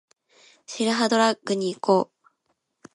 ツルハドラッグに行こう